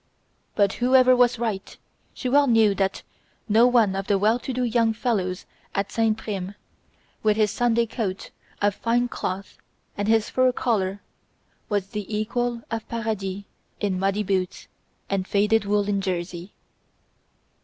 But whoever was right she well knew that not one of the well to do young fellows at St. Prime, with his Sunday coat of fine cloth and his fur collar, was the equal of Paradis in muddy boots and faded woollen jersey.